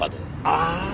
ああ！